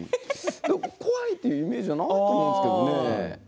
怖いというイメージないと思うんですけどね。